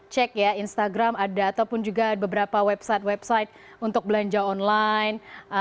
cek ya instagram ada ataupun juga beberapa website website untuk belanja online